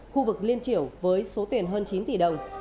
khu vực liên triểu với số tiền hơn chín tỷ đồng